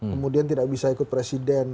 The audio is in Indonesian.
kemudian tidak bisa ikut presiden